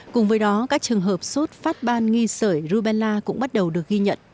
cùng với đó các trường hợp sốt phát ban nghi sởi rubella cũng bắt đầu được ghi nhận